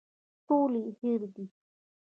ټول يې هېر دي.